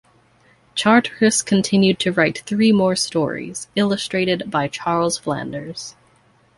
Charteris continued to write three more stories, illustrated by Charles Flanders.